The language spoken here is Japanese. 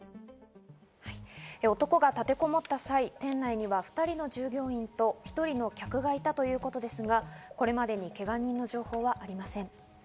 男が立てこもった際、店内には２人の従業員と１人の客がいたということですが、これまでに、けが人の情報はありません。